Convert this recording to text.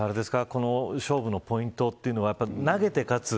この勝負のポイントというのは投げて勝つ。